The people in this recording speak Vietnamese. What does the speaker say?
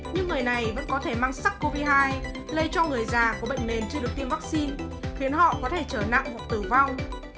những người này vẫn có thể mang sắc covid một mươi chín lây cho người già có bệnh nền chưa được tiêm vắc xin khiến họ có thể trở nặng hoặc tử vong